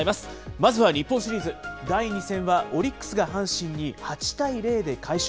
まずは日本シリーズ、第２戦はオリックスが阪神に８対０で快勝。